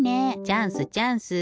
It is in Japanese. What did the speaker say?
チャンスチャンス！